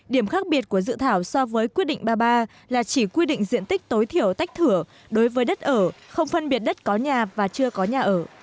điểm khác biệt của dự thảo so với quyết định ba mươi ba là chỉ quy định diện tích tối thiểu tách thửa đối với đất ở không phân biệt đất có nhà và chưa có nhà ở